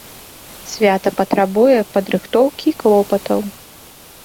Свята патрабуе падрыхтоўкі і клопатаў.